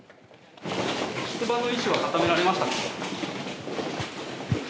出馬の意思は固められましたか？